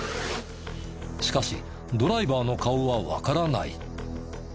しかしドライバーの顔はわからない。